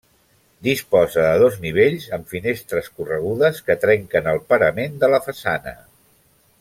Disposa de dos nivells amb finestres corregudes que trenquen el parament de la façana.